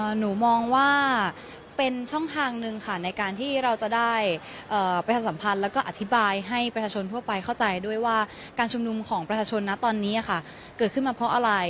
หนูมองว่าเป็นช่องทางหนึ่งค่ะในการที่เราจะได้ประชาสัมพันธ์แล้วก็อธิบายให้ประชาชนทั่วไปเข้าใจด้วยว่าการชุมนุมของประชาชนนะตอนนี้ค่ะเกิดขึ้นมาเพราะอะไร